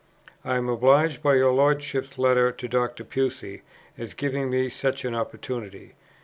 I am obliged by your Lordship's letter to Dr. Pusey as giving me such an opportunity."